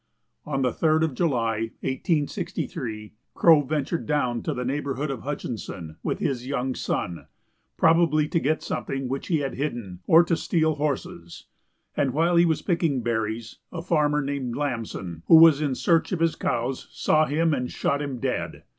On the 3d of July, 1863, Crow ventured down to the neighborhood of Hutchinson, with his young son, probably to get something which he had hidden, or to steal horses, and while he was picking berries, a farmer named Lamson, who was in search of his cows, saw him and shot him dead.